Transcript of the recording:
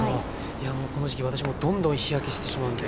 いやこの時期私もどんどん日焼けしてしまうので。